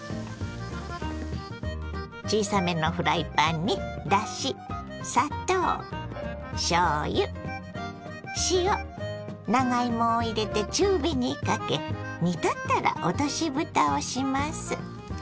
小さめのフライパンにだし砂糖しょうゆ塩長芋を入れて中火にかけ煮立ったら落としぶたをします。